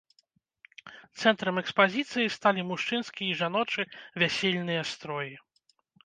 Цэнтрам экспазіцыі сталі мужчынскі і жаночы вясельныя строі.